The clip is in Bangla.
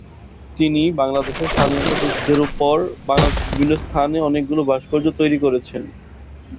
তিনি বাংলাদেশের স্বাধীনতা যুদ্ধের উপর বাংলাদেশের বিভিন্ন স্থানে অনেকগুলো ভাস্কর্য তৈরি করেছেন।